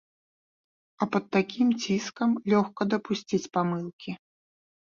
А пад такім ціскам лёгка дапусціць памылкі.